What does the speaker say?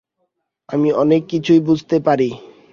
আমি অনেক কিছুই বুঝতে পারি।